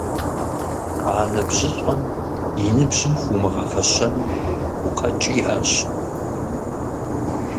А ныбжьыщӀэм и ныбжьым хуумыгъэфэщэну гукъэкӀ иӀэщ.